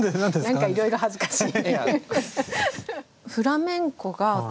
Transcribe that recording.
何かいろいろ恥ずかしい。